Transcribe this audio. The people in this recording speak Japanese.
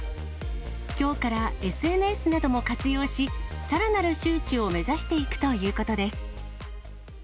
きょうからＳＮＳなども活用し、さらなる周知を目指していくということです。